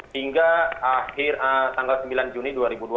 hingga akhir tanggal sembilan juni dua ribu dua puluh